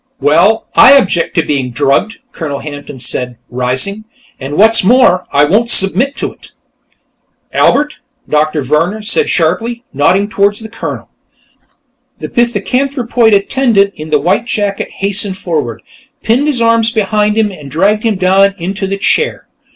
"Well, I object to being drugged," Colonel Hampton said, rising. "And what's more, I won't submit to it." "Albert!" Doctor Vehrner said sharply, nodding toward the Colonel. The pithecanthropoid attendant in the white jacket hastened forward, pinned his arms behind him and dragged him down into the chair.